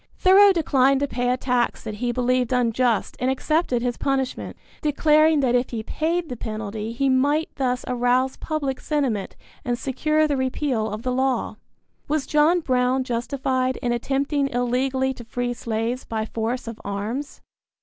Thoreau declined to pay a tax that he believed unjust and accepted his punishment, declaring that if he paid the penalty he might thus arouse public sentiment and secure the repeal of the law. Was John Brown justified in attempting illegally to free slaves by force of arms?